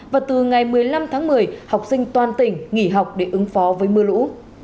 và từ ngày một mươi năm tháng một mươi học sinh toàn tỉnh nghỉ học để ứng phó với mưa lũ